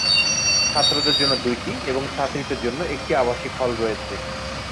ছাত্রদের জন্য দুইটি এবং ছাত্রীদের জন্য একটি আবাসিক হল রয়েছে।